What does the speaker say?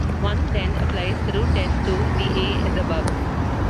One then applies the root test to the "a" as above.